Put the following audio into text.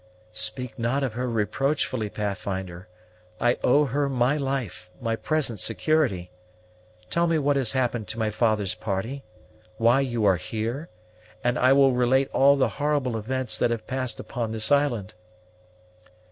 "Speak not of her reproachfully, Pathfinder; I owe her my life, my present security. Tell me what has happened to my father's party why you are here; and I will relate all the horrible events that have passed upon this island."